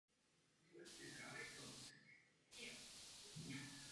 Aktivisté žijící zeleným životním stylem například organizují pohřby pro zaniklé živočišné druhy.